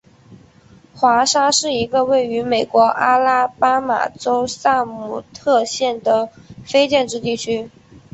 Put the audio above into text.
华沙是一个位于美国阿拉巴马州萨姆特县的非建制地区。